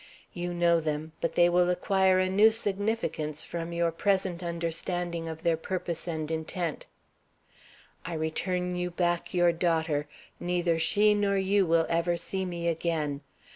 You know them, but they will acquire a new significance from your present understanding of their purpose and intent: I return you back your daughter. Neither she nor you will ever see me again.